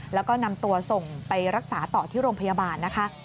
แล้วก็นำตัวส่งไปรักษาต่อที่โรงพยาบาลนะคะ